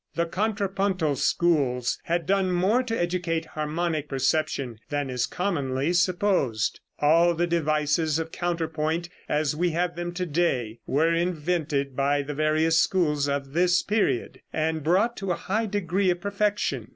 The contrapuntal schools had done more to educate harmonic perception than is commonly supposed. All the devices of counterpoint, as we have them to day, were invented by the various schools of this period, and brought to a high degree of perfection.